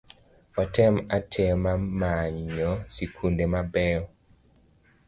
Watem atema manyo sikunde mabeyo